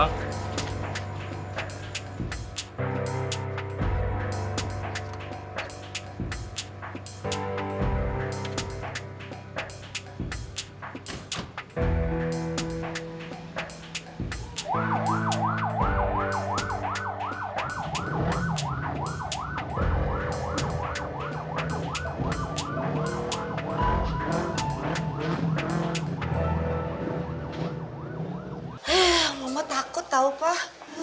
hei mama takut tau pak